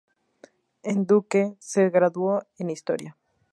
En Duke se graduó en historia.